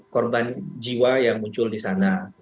korban jiwa yang muncul di sana